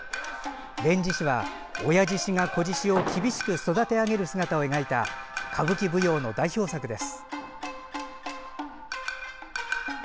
「連獅子」は、親獅子が子獅子を厳しく育て上げる姿を描いた歌舞伎舞踊の代表作です。